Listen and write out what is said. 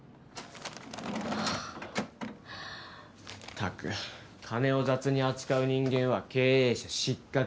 ったく金を雑に扱う人間は経営者失格。